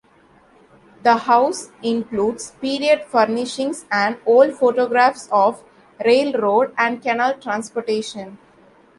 The house includes period furnishings and old photographs of railroad and canal transportation.